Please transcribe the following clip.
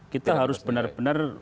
kita harus benar benar